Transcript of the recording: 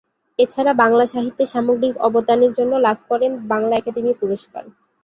এছাড়া বাংলা সাহিত্যে সামগ্রিক অবদানের জন্য লাভ করেন বাংলা একাডেমি পুরস্কার।